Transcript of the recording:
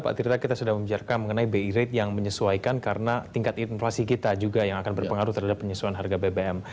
pak tirta kita sudah membiarkan mengenai bi rate yang menyesuaikan karena tingkat inflasi kita juga yang akan berpengaruh terhadap penyesuaian harga bbm